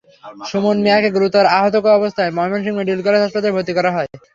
সুমন মিয়াকে গুরুতর আহত অবস্থায় ময়মনসিংহ মেডিকেল কলেজ হাসপাতালে ভর্তি করা হয়।